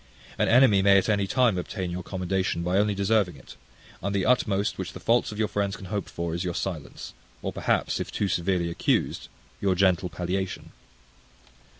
An enemy may at any time obtain your commendation by only deserving it; and the utmost which the faults of your friends can hope for, is your silence; or, perhaps, if too severely accused, your gentle palliation.